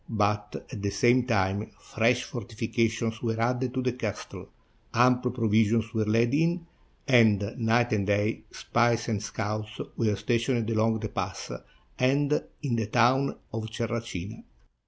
But at the same time fresh fortifications were added to the castle, ample provisions were laid in, and, night and day, spies and scouts were stationed along the pass and in the town of Terracina.